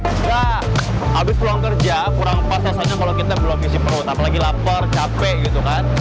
nah abis pulang kerja kurang pas rasanya kalau kita belum isi perut apalagi lapar capek gitu kan